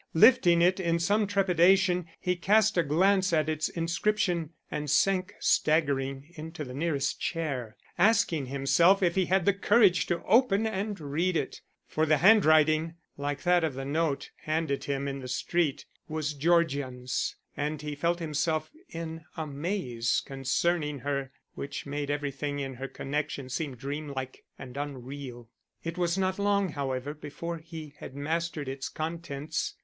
Lifting it in some trepidation, he cast a glance at its inscription and sank staggering into the nearest chair, asking himself if he had the courage to open and read it. For the handwriting, like that of the note handed him in the street, was Georgian's, and he felt himself in a maze concerning her which made everything in her connection seem dreamlike and unreal. It was not long, however, before he had mastered its contents.